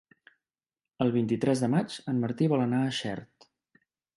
El vint-i-tres de maig en Martí vol anar a Xert.